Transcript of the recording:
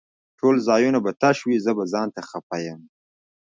ټول ځايونه به تش وي زه به ځانته خپه يم